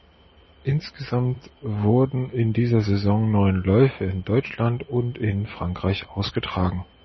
Insgesamt wurden in dieser Saison neun Läufe in Deutschland und in Frankreich ausgetragen.